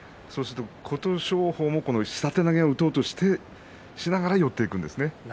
琴勝峰も下手投げを打とうとしながら寄っていくんですね。